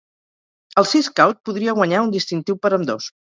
El Sea Scout podria guanyar un distintiu per ambdós.